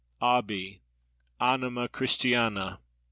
Abi! Anima Christiana!